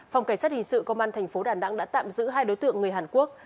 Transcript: phòng cảnh sát hình sự công an thành phố đà nẵng đã tạm giữ hai đối tượng người hàn quốc